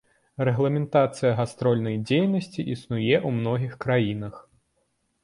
Рэгламентацыя гастрольнай дзейнасці існуе ў многіх краінах.